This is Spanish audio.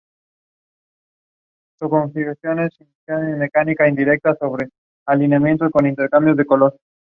La elección se realiza de forma secreta y por mayoría absoluta.